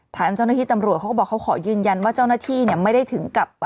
ทางเจ้าหน้าที่ตำรวจเขาก็บอกเขาขอยืนยันว่าเจ้าหน้าที่เนี่ยไม่ได้ถึงกับ